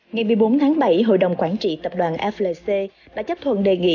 ngày một mươi bốn tháng bảy hội đồng quản trị tập đoàn flc đã chấp thuận đề nghị